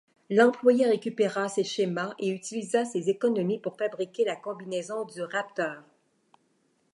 L'employé récupéra ses schémas et utilisa ses économies pour fabriquer la combinaison du Raptor.